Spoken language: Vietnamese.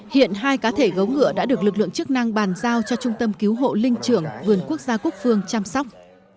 hiện hai cá thể gấu ngựa đã được lực lượng chức năng bàn giao cho trung tâm cứu hộ linh trưởng vườn quốc gia quốc phương chăm sóc